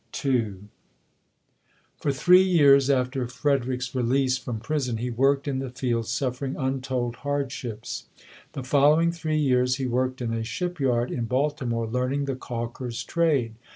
II For three years after Frederick's release from prison he worked in the fields suffering untold FREDERICK DOUGLASS [ 27 hardships. The following three years he worked in a shipyard in Baltimore learning the ealker's trade.